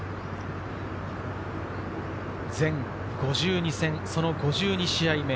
全５２戦５２試合目。